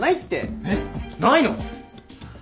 えっ？ないの？ハァ。